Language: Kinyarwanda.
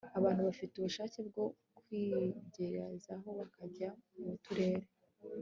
abantu bafite ubushake bwo kwigerezaho bakajya mu turere